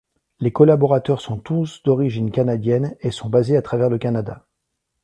Les collaborateurs sont tous d’origine canadienne, et sont basés à travers le Canada.